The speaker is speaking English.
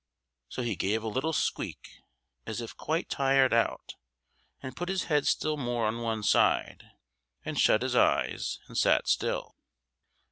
So he gave a little squeak, as if quite tired out, and put his head still more on one side, and shut his eyes, and sat still.